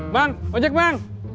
bang ojek bang